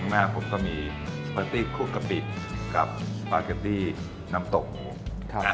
หน้าผมจะมีปาตี้คูก้อกะปิดกับป้าเกอร์ดตี้น้ำตกหมู